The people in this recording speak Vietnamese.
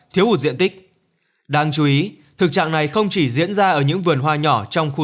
thiếu hụt diện tích đáng chú ý thực trạng này không chỉ diễn ra ở những vườn hoa nhỏ trong khu